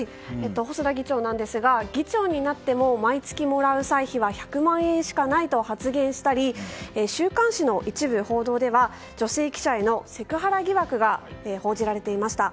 細田議長ですが議長になっても毎月もらう歳費は１００万円しかないと発言したり週刊誌の一部報道では女性記者へのセクハラ疑惑が報じられていました。